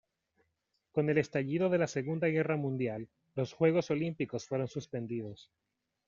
Con el estallido de la Segunda Guerra Mundial, los Juegos Olímpicos fueron suspendidos.